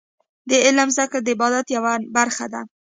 د علم زده کړه د عبادت یوه برخه ده.